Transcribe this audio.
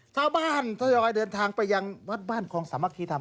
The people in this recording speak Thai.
ทยอยเดินทางไปยังวัดบ้านคลองสามัคคีธรรม